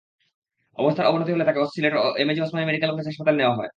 অবস্থার অবনতি হলে তাঁকে সিলেটের এমএজি ওসমানী মেডিকেল কলেজ হাসপাতালে নেওয়া হয়।